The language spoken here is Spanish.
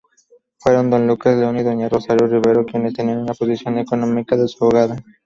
Fueron don Lucas León y doña Rosario Rivero, quienes tenían una posición económica desahogada.